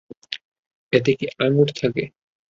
এতে কি আঙ্গুর থাকে?